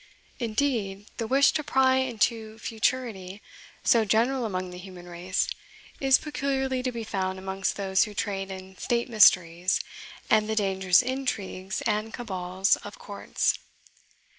Indeed, the wish to pry into futurity, so general among the human race, is peculiarly to be found amongst those who trade in state mysteries and the dangerous intrigues and cabals of courts.